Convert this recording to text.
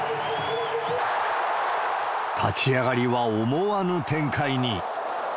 立ち上がりは思わぬ展開に。